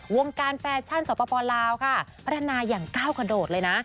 วงการแฟชั่นสปลาวค่ะพัฒนาอย่างก้าวกระโดดเลยนะ